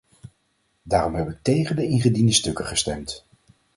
Daarom heb ik tegen de ingediende stukken gestemd.